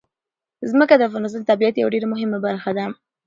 ځمکه د افغانستان د طبیعت یوه ډېره مهمه برخه ده.